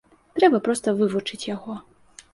Трэба проста вывучыць яго.